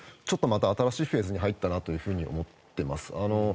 ちょっとまた新しいフェーズに入ったなと思っています。